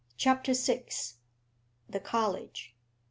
CHAPTER VI. THE COLLEGE.